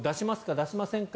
出しませんか？